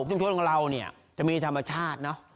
ชุมชนของเราเนี่ยจะมีธรรมชาติเนอะ